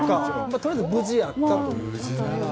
とりあえず無事やったと。